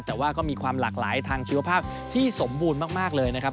แต่ว่าก็มีความหลากหลายทางชีวภาพที่สมบูรณ์มากเลยนะครับ